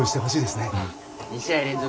２試合連続